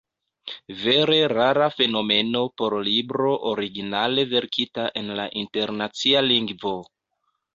Vere rara fenomeno por libro, originale verkita en la internacia lingvo!